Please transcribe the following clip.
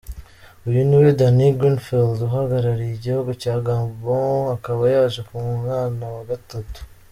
Uyu niwe Danny Greenfield uhagarariye igihugu cya Gabon, akaba yaje ku mwana wa gatatu.